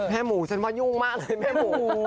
แม่หมูฉันว่ายุ่งมากเลย